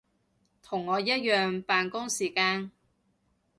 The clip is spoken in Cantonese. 同我一樣扮工時間